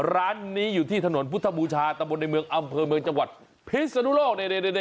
ร้านนี้อยู่ที่ถนนพุทธบูชาตะบนในเมืองอำเภอเมืองจังหวัดพิศนุโลก